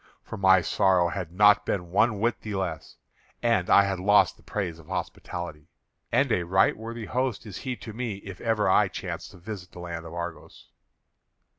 For my sorrow had not been one whit the less, and I had lost the praise of hospitality. And a right worthy host is he to me if ever I chance to visit the land of Argos."